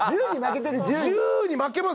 「ジュ」に負けてる。